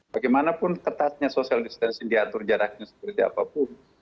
bagaimanapun ketatnya social distancing diatur jaraknya seperti apapun